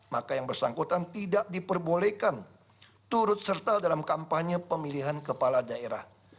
maka yang bersangkutan tidak diperbolehkan turut serta dalam kampanye pemilihan kepala daerah